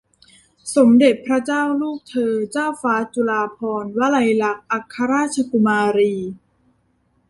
สมเด็จพระเจ้าลูกเธอเจ้าฟ้าจุฬาภรณวลัยลักษณ์ อัครราชกุมารี